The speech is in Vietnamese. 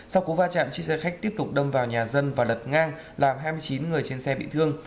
sau cú va chạm chiếc xe khách tiếp tục đâm vào nhà dân và lật ngang làm hai mươi chín người trên xe bị thương